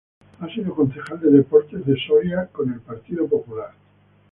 Ha sido concejal de deportes de Soria con el Partido Popular.